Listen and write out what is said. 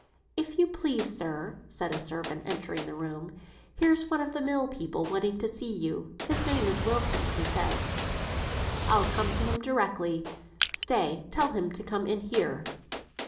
"If you please, sir," said a servant, entering the room, "here's one of the mill people wanting to see you; his name is Wilson, he says." "I'll come to him directly; stay, tell him to come in here."